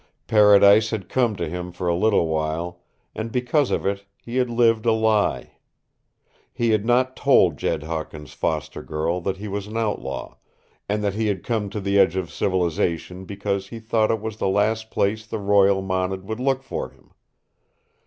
Paradise had come to him for a little while, and because of it he had lived a lie. He had not told Jed Hawkins' foster girl that he was an outlaw, and that he had come to the edge of civilization because he thought it was the last place the Royal Mounted would look for him.